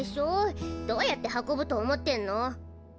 どうやって運ぶと思ってんの？